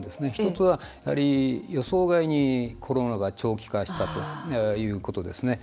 １つは、予想外にコロナが長期化したということですね。